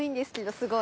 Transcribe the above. すごい。